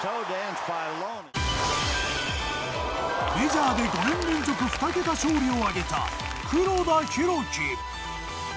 メジャーで５年連続２桁勝利を挙げた黒田博樹。